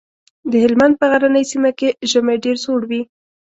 د هلمند په غرنۍ سيمه کې ژمی ډېر سوړ وي.